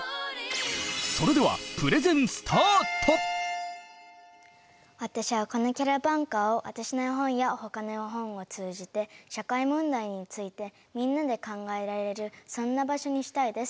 それでは私はこのキャラバンカーを私の絵本やほかの絵本を通じて社会問題についてみんなで考えられるそんな場所にしたいです。